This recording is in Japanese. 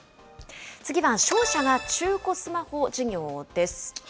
次は、商社が中古スマホの事業です。